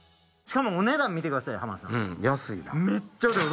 しかもお値段見てください浜田さん。